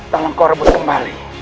tolong kau rebut kembali